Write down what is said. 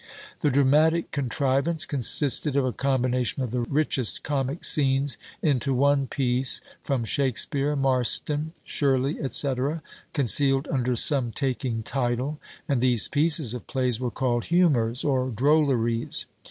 The dramatic contrivance consisted of a combination of the richest comic scenes into one piece, from Shakspeare, Marston, Shirley, &c., concealed under some taking title; and these pieces of plays were called "Humours" or "Drolleries."